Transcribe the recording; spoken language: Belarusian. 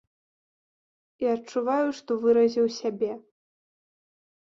І адчуваю, што выразіў сябе.